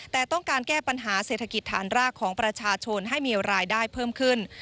แต่ต้องการแก้ปัญหาเศรษฐกิจฐานรากของประชาชนให้มีรายได้เพิ่มขึ้น